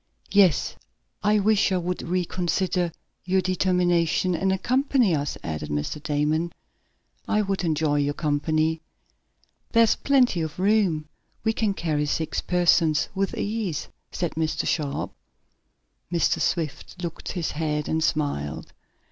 "Yes, I wish you would reconsider your determination, and accompany us," added Mr. Damon. "I would enjoy your company." "There's plenty of room. We can carry six persons with ease," said Mr. Sharp. Mr. Swift shook his head, and smiled.